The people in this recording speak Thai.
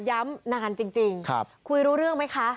ย้ำนานจริงคุยรู้เรื่องไหมคะ